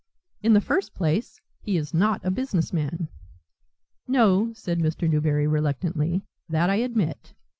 In the first place, he is not a businessman." "No," said Mr. Newberry reluctantly, "that I admit."